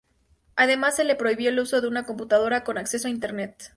Además se le prohibió el uso de una computadora con acceso a internet.